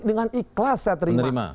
dengan ikhlas saya terima